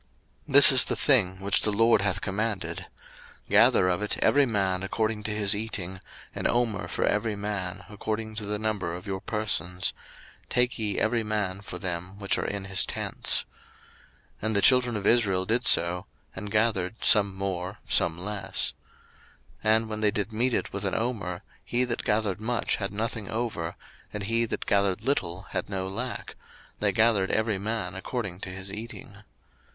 02:016:016 This is the thing which the LORD hath commanded, Gather of it every man according to his eating, an omer for every man, according to the number of your persons; take ye every man for them which are in his tents. 02:016:017 And the children of Israel did so, and gathered, some more, some less. 02:016:018 And when they did mete it with an omer, he that gathered much had nothing over, and he that gathered little had no lack; they gathered every man according to his eating.